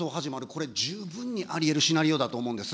これ、十分にありえるシナリオだと思うんです。